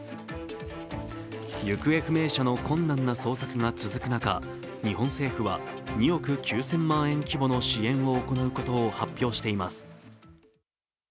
行方不明者の困難な捜索が続く中、日本政府は２億９０００万円規模の支援を行うことを発表しています。